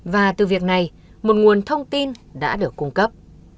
và từ việc này một nguồn thông tin đã được cung cấp